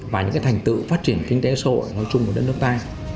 và những thành tựu phát triển kinh tế xã hội nói chung của đất nước ta